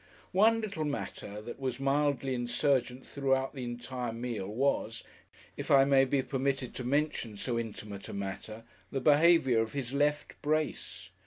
One little matter that was mildly insurgent throughout the entire meal was, if I may be permitted to mention so intimate a matter, the behaviour of his left brace.